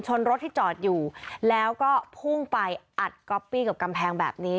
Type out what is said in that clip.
รถที่จอดอยู่แล้วก็พุ่งไปอัดก๊อปปี้กับกำแพงแบบนี้